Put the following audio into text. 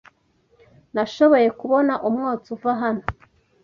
Nashoboye kubona umwotsi uva hano.